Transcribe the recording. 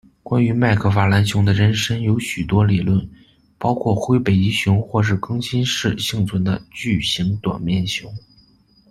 关于麦克法兰熊的真身有许多理论，包括灰北极熊或是更新世幸存的巨型短面熊。